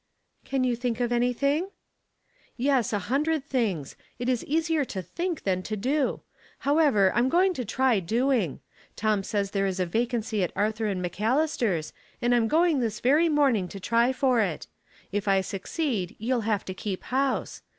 " Can you think of anything ?" "Yes, a hundred things; it is easier to think than to do. However, I'm going to try doing. Tom says there is a vacancy at Arthur & Mc Allister's, and I'm going this very morning to' try for it. If I succeed you'll have to keep house.